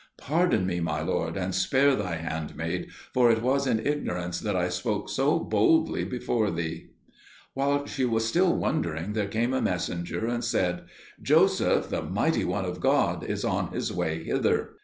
Pardon me, my lord, and spare thy handmaid, for it was in ignorance that I spoke so boldly before thee!" While she was still wondering, there came in a messenger and said, "Joseph, the mighty one of God, is on his way hither."